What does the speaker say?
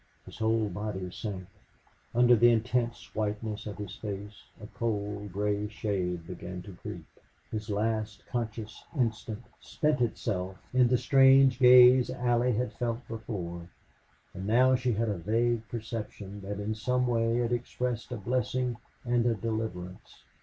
His whole body sank. Under the intense whiteness of his face a cold gray shade began to creep. His last conscious instant spent itself in the strange gaze Allie had felt before, and now she had a vague perception that in some way it expressed a blessing and a deliverance.